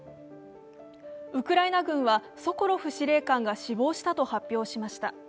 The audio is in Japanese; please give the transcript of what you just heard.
ウクライナ軍はソコロフ司令官が死亡したと発表しました。